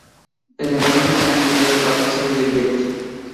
Desde entonces, se han emitido cuatro series de billetes.